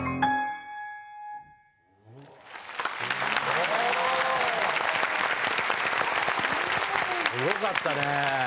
すごかったね。